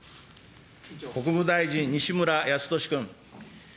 国務大臣、西村康稔君。